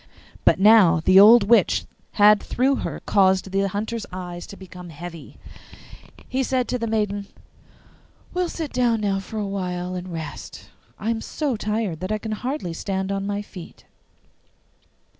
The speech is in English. But now the old witch had through her caused the Hunter's eyes to become heavy. He said to the maiden, 'We will sit down for a little while and rest; I am so tired that I can hardly stand on my feet.